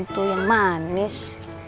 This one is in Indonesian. itu yang manis